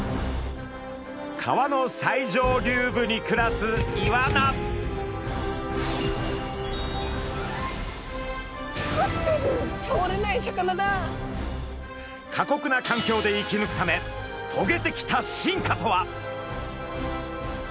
川の最上流部に暮らす過酷な環境で生きぬくためとげてきた進化とは？